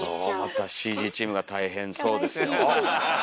またＣＧチームが大変そうですよ。